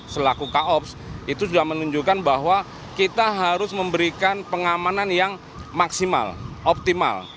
selaku koops itu sudah menunjukkan bahwa kita harus memberikan pengamanan yang maksimal optimal